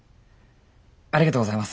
ありがとうございます。